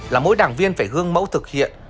là mỗi đảng viên phải gương mẫu thực hiện